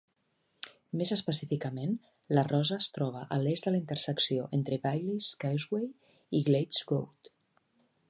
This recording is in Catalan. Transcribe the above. Més específicament, la rosa es troba a l"est de la intersecció entre Bailey's Causeway i Glades Road.